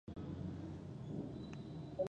مخ یې واړاوه او روان شول، بیا مې ورته وویل: ودرېږئ.